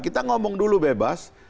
kita ngomong dulu bebas